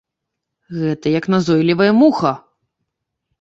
Гэта як назойлівая муха.